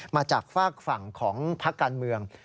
มาจากฝากฝั่งของพักการเมือง